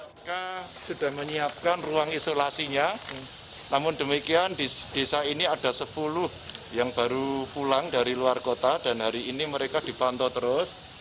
mereka sudah menyiapkan ruang isolasinya namun demikian di desa ini ada sepuluh yang baru pulang dari luar kota dan hari ini mereka dipantau terus